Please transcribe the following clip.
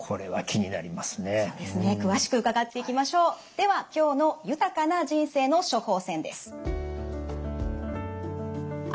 では今日の「豊かな人生の処方せん」です。